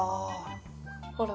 ほら！